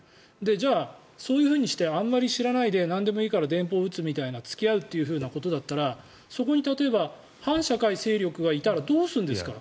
じゃあ、そういうふうにしてあまり知らないでなんでもいいから電報を打つみたいな付き合うみたいなことだったらそこに例えば反社会勢力がいたらどうするんですか。